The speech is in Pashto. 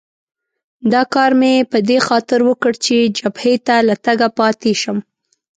دا کار مې په دې خاطر وکړ چې جبهې ته له تګه پاتې شم.